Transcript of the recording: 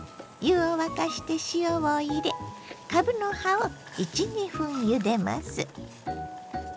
湯を沸かして塩を入れかぶの葉を１２分ゆでます。